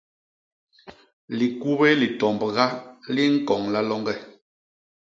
Likubé litombga li ñkoñla loñge.